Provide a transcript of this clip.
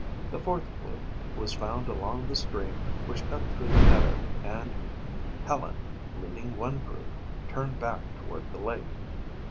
The fourth clue was found along the stream which cut through the meadow and Helen, leading one group, turned back toward the lake.